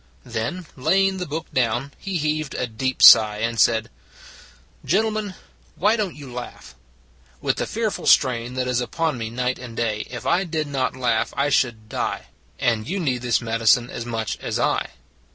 Then, laying the book down,, he heaved a deep sigh and said: " Gentlemen, why don t you laugh? With the fearful strain that is upon me night and day, if I did not laugh I should die; and you need this medicine as much as I."